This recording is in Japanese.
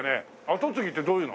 跡継ぎってどういうの？